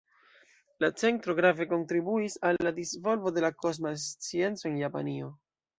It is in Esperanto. La centro grave kontribuis al la disvolvo de la kosma scienco en Japanio.